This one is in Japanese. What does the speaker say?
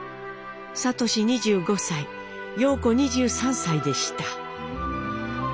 智２５歳様子２３歳でした。